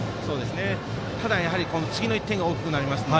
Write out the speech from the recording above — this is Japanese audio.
ただ、次の１点が大きくなりますよ。